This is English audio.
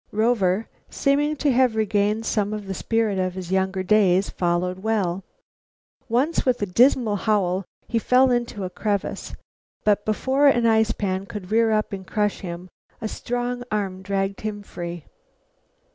Rover, seeming to have regained some of the spirit of his younger days, followed well. Once, with a dismal howl, he fell into a crevice, but before an ice pan could rear up and crush him, a strong arm dragged him free.